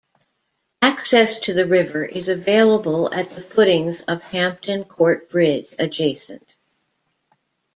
Access to the river is available at the footings of Hampton Court Bridge adjacent.